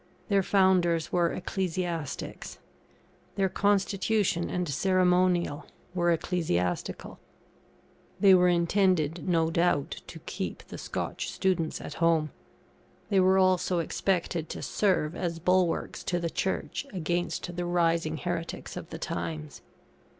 Their founders were ecclesiastics; their constitution and ceremonial were ecclesiastical. They were intended, no doubt, to keep the Scotch students at home. They were also expected to serve as bulwarks to the Church against the rising heretics of the times.